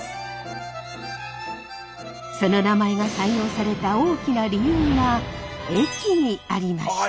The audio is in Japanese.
その名前が採用された大きな理由は駅にありました。